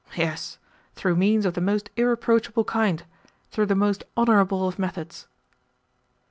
"Yes; through means of the most irreproachable kind through the most honourable of methods."